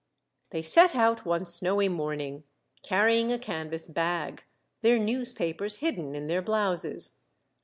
They set out one snowy morning, carrying a canvas bag, their newspapers hidden in their blouses.